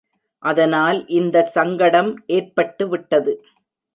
அதனால், இந்த சங்கடம் ஏற்பட்டுவிட்டது.